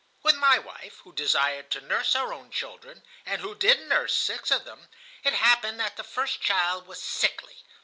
"With my wife, who desired to nurse her own children, and who did nurse six of them, it happened that the first child was sickly.